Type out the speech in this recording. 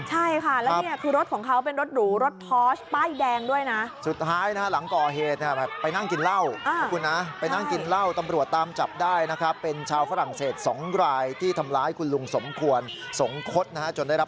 ใช่ค่ะแล้วเนี่ยคือรถของเขาเป็นรถหรูรถพอร์ชป้ายแดงด้วยนะสุดท้าย